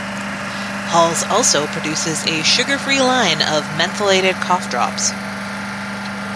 Halls also produces a sugar free line of mentholated cough drops.